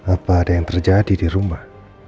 apa ada yang terjadi di rumah